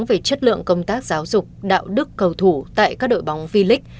về chất lượng công tác giáo dục đạo đức cầu thủ tại các đội bóng vi lịch